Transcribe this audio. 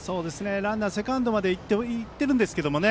ランナー、セカンドまでは行っているんですけどね